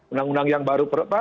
undang undang yang baru